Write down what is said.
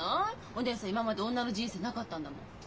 お義姉さん今まで女の人生なかったんだもん。